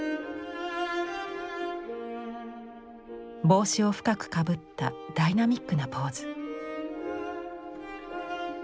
帽子を深くかぶったダイナミックなポーズ。